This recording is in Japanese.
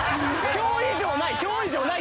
今日以上ない！